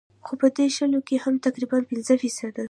خو پۀ دې شلو کښې هم تقريباً پنځه فيصده